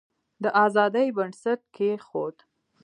د آزادی بنسټ کښېښود.